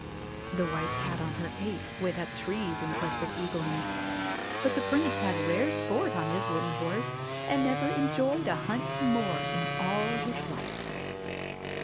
The White Cat on her ape went up trees in quest of eagle nests ; but the Prince had rare sport on his wooden horse, and never enjoyed a hunt more in all his life.